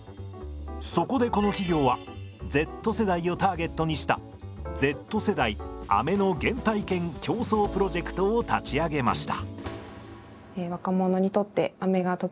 そこでこの企業はＺ世代をターゲットにした「Ｚ世代飴の原体験共創プロジェクト」を立ち上げました。